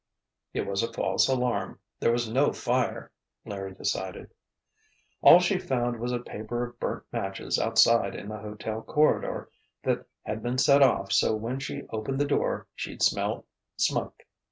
"It was a false alarm—there was no fire!" Larry decided. "All she found was a paper of burnt matches outside in the hotel corridor that had been set off so when she opened the door she'd smell smoke.